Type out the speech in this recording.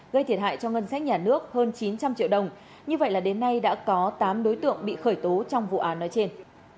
gây thiệt hại cho ngân sách nhà nước hơn chín trăm linh triệu đồng như vậy là đến nay đã có tám đối tượng bị khởi tố trong vụ án nói trên